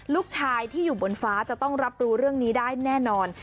ลูกชายที่อยู่บนฟ้าจะต้องรับรู้เรื่องนี้ได้แน่นอน